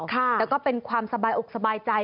แล้วก็เป็นความสบายอกสบายใจ